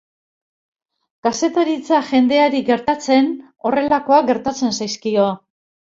Kazetaritza jendeari gertatzen horrelakoak gertatzen zaizkio.